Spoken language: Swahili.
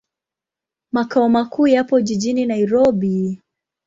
Makao makuu yapo jijini Nairobi.